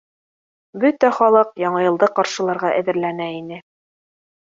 Бөтә халыҡ Яңы йылды ҡаршыларға әҙерләнә ине.